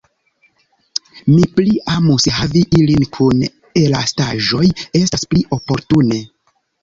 Mi pli amus havi ilin kun elastaĵoj, estas pli oportune.